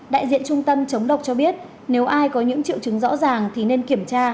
đại diện trung tâm chống độc cho biết nếu ai có những triệu chứng rõ ràng thì nên kiểm tra